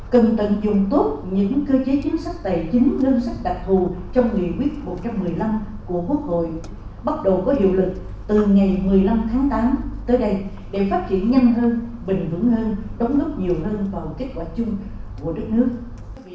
cần tận dụng tốt như những cơ chế chính sách tài chính ngân sách đặc thù trong nghị quyết một trăm một mươi năm của quốc hội bắt đầu có hiệu lực từ ngày một mươi năm tháng tám tới đây để phát triển nhanh hơn bình vững hơn đóng góp nhiều hơn vào kết quả chung của đất nước